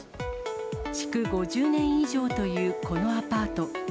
築５０年以上というこのアパート。